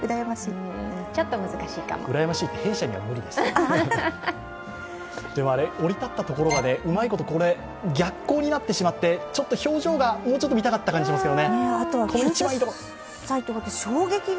ちょっと難しいかも弊社には無理ですでも降り立ったところ、うまいこと逆光になってしまってちょっと表情が、もうちょっと見たかった感じしますけど。